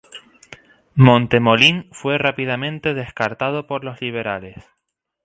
Montemolín fue rápidamente descartado por los liberales.